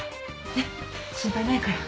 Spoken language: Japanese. ねっ心配ないから。